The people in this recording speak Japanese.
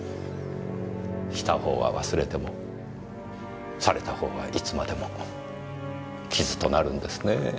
したほうは忘れてもされたほうはいつまでも傷となるんですねぇ。